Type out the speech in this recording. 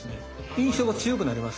印象が強くなります。